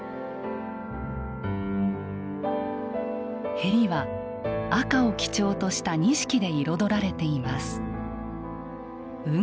縁は赤を基調とした錦で彩られています。